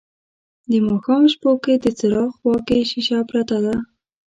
د ماښام شپو کې د څراغ خواکې شیشه پرته ده